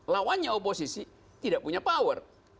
lawannya oposisi tidak punya power